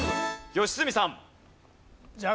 良純さん。